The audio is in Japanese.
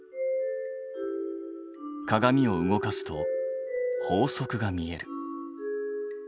鏡を動かすと法則が見える。